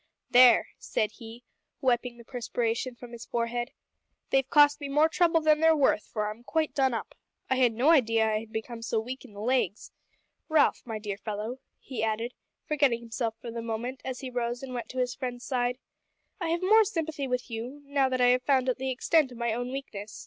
"There," said he, wiping the perspiration from his forehead. "They've cost me more trouble than they're worth, for I'm quite done up. I had no idea I had become so weak in the legs. Ralph, my dear fellow," he added, forgetting himself for the moment as he rose and went to his friend's side, "I have more sympathy with you, now that I have found out the extent of my own weakness.